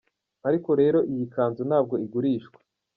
Ariko rero iyi kanzu ntabwo igurishwa.